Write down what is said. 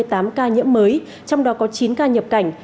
trong đó có chín ca nhập cảnh